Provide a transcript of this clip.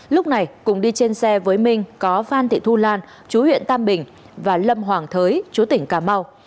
lúc này cùng đi trên xe với minh có phan thị thu lan chú huyện tam bình và lâm hoàng thới chúa tỉnh cà mau